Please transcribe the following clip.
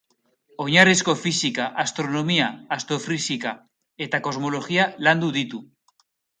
Oinarrizko fisika, astronomia, astrofisika eta kosmologia landu ditu.